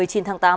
tại thôn thanh xá